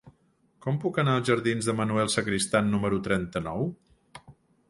Com puc anar als jardins de Manuel Sacristán número trenta-nou?